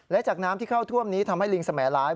และจากน้ำที่เข้าท่วมนี้ทำให้ลิงสมัยร้าย